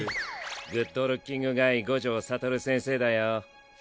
グッドルッキングガイ五条悟先生だよ。